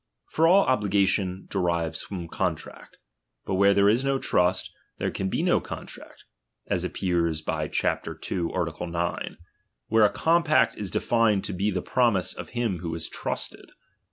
For all obligation derives from contract ; but where there is no trust, there can be no contract, as appears by chap. ii. art. 9 ; where a compact is defined to be the promise of him who is trusted.